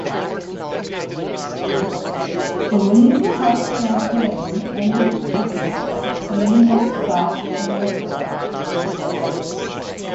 The League Cup campaign ended with defeats to Queen of the South and Motherwell.